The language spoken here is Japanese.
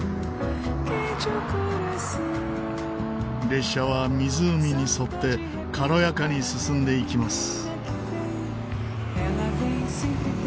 列車は湖に沿って軽やかに進んでいきます。